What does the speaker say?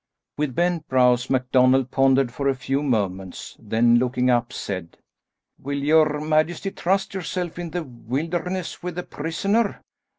With bent brows MacDonald pondered for a few moments, then looking up, said, "Will your majesty trust yourself in the wilderness with a prisoner?"